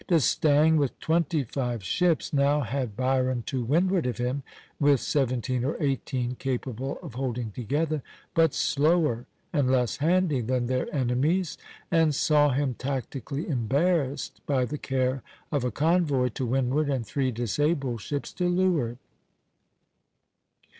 D'Estaing, with twenty five ships, now had Byron to windward of him with seventeen or eighteen capable of holding together, but slower and less handy than their enemies, and saw him tactically embarrassed by the care of a convoy to windward and three disabled ships to leeward.